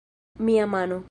Mia mano...